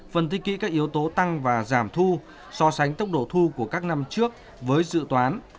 phân tích kỹ các yếu tố tăng và giảm thu so sánh tốc độ thu của các năm trước với dự toán